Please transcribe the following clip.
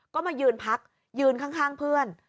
ก็มายืนพักยืนข้างเพื่อน